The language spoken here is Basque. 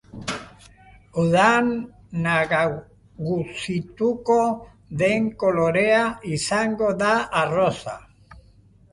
Udan nagusituko den kolorea izango da arrosa.